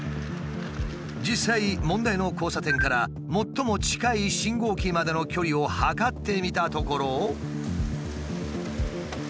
実際問題の交差点から最も近い信号機までの距離を測ってみたところ。